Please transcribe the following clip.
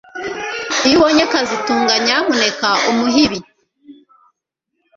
Iyo ubonye kazitunga nyamuneka umuhe ibi